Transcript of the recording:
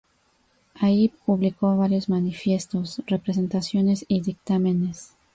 Allí publicó varios "manifiestos", "representaciones" y "dictámenes".